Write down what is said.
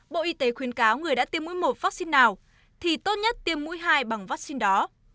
bộ y tế khuyến cáo người đã tiêm mũi một vaccine nào thì tốt nhất tiêm mũi hai bằng vaccine đó